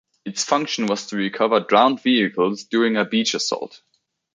Its function was to recover drowned vehicles during a beach assault.